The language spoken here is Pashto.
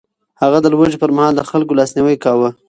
هغه د لوږې پر مهال د خلکو لاسنيوی کاوه.